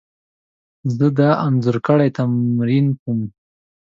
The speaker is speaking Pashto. زه د انځورګري تمرین کوم.